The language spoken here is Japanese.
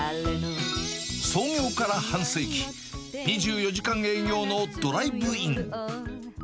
創業から半世紀、２４時間営業のドライブイン。